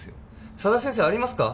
佐田先生ありますか？